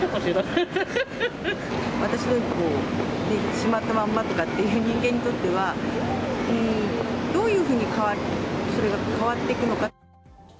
私のように、しまったまんまっていう人間にとっては、どういうふうにそれが変わっていくのか。